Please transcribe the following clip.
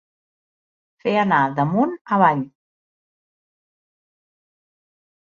Fer anar d'amunt avall.